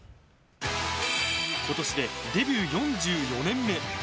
今年でデビュー４４年目。